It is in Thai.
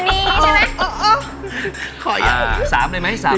โอ้โหนี่ใช่ไหม